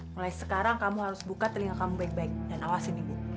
mulai sekarang kamu harus buka telinga kamu baik baik dan awasin ibu